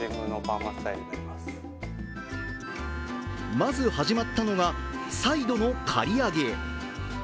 まず始まったのが、サイドの刈り上げ。